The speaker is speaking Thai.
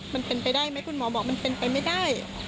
มันเป็นไปได้ไหมคุณหมอบอกมันเป็นไปไม่ได้